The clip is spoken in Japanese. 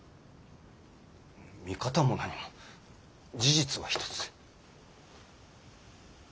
見方もなにも事実は一つ。